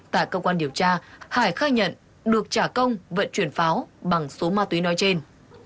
tại cơ quan điều tra hải khai nhận được trả công vận chuyển pháo bằng số ma túy nói trên